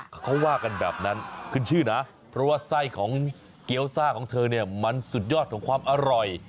เขาว่ากันแบบนั้นขึ้นชื่อนะเพราะว่าไส้ของเกี้ยวซ่าของเธอเนี่ยมันสุดยอดของความอร่อย